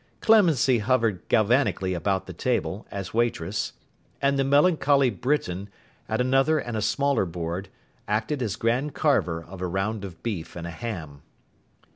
Clemency hovered galvanically about the table, as waitress; and the melancholy Britain, at another and a smaller board, acted as Grand Carver of a round of beef and a ham.